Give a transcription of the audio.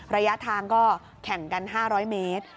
ระยะทางก็แข่งกัน๕๐๐เมตร